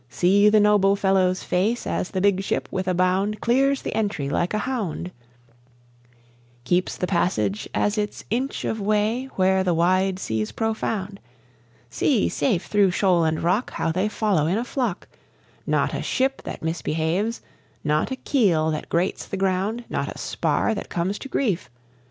See the noble fellow's face As the big ship, with a bound, Clears the entry like a hound, Keeps the passage as its inch of way were the wide sea's profound! See, safe through shoal and rock, How they follow in a flock, Not a ship that misbehaves, not a keel that grates the ground, Not a spar that comes to grief!